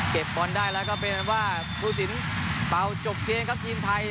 บอลได้แล้วก็เป็นว่าภูสินเป่าจบเกมครับทีมไทย